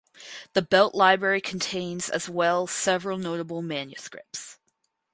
The Belt Library contains as well several notable manuscripts.